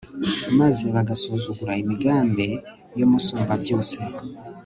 maze bagasuzugura imigambi y'umusumbabyose